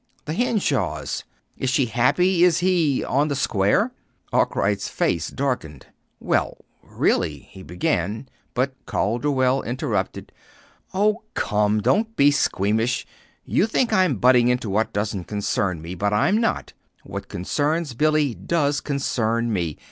"The Henshaws. Is she happy? Is he on the square?" Arkwright's face darkened. "Well, really," he began; but Calderwell interrupted. "Oh, come; don't be squeamish. You think I'm butting into what doesn't concern me; but I'm not. What concerns Billy does concern me.